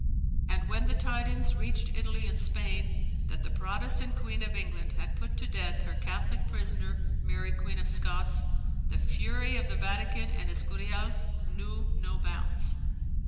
And when the tidings reached Italy and Spain that the Protestant Queen of England had put to death her Catholic prisoner, Mary Queen of Scots, the fury of the Vatican and Escurial knew no bounds.